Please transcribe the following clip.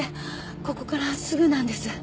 ここからすぐなんです